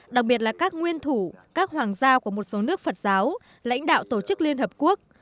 đặc biệt là các nguyên thủ các hoàng gia của một số nước phật giáo lãnh đạo tổ chức liên hợp quốc